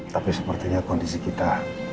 tapi sepertinya kondisi kita